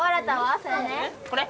これ？